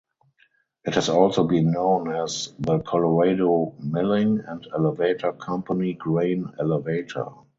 It has also been known as the Colorado Milling and Elevator Company Grain Elevator.